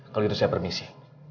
kalau itu saya permisi